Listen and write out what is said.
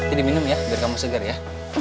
ini diminum ya biar kamu segar ya